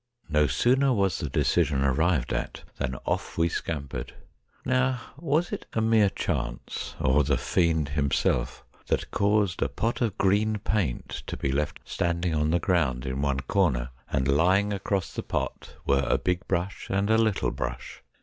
No sooner was the decision arrived at than off we scam pered. Now, was it a mere chance or the fiend himself that caused a pot of green paint to be left standing on the ground in one corner, and lying across the pot were a big brush and a little brush